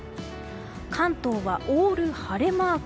関東はオール晴れマーク。